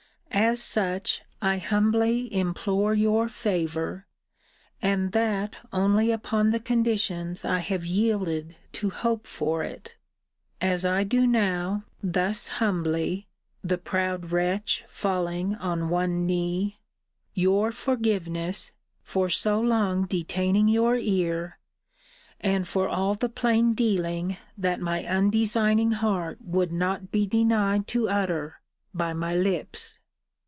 As such, I humbly implore your favour, and that only upon the conditions I have yielded to hope for it. As I do now, thus humbly, [the proud wretch falling on one knee,] your forgiveness, for so long detaining your ear, and for all the plain dealing that my undesigning heart would not be denied to utter by my lips.'